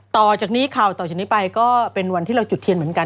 ต่อจากนี้ข่าวต่อจากนี้ไปก็เป็นวันที่เราจุดเทียนเหมือนกัน